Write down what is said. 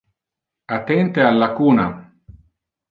Attente al lacuna.